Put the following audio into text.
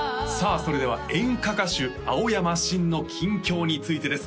それでは演歌歌手青山新の近況についてです